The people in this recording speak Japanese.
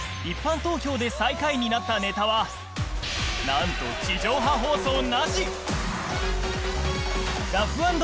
一般投票で最下位になったネタは何と地上波放送なし